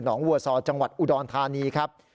อนทร์หนองวัวซอร์จังหวัดอุดอลทานีครับ